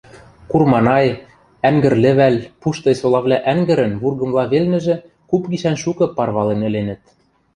Курманай, Ӓнгӹрлӹвӓл, Пуштый солавлӓ ӓнгӹрӹн вургымла велнӹжӹ куп гишӓн шукы парвален ӹленӹт.